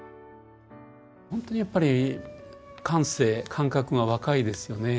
やっぱり感性感覚が若いですよね。